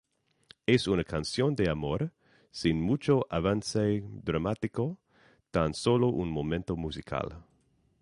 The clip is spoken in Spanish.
Es una canción de amor, sin mucho avance dramático, tan sólo un momento musical.